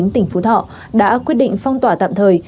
tỉnh phú thọ đã quyết định phong tỏa tạm thời